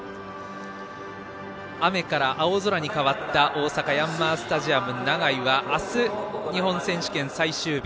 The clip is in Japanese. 雨から青空に変わった大阪ヤンマースタジアム長居は明日、日本選手権最終日。